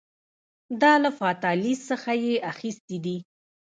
دا له فاتالیس څخه یې اخیستي دي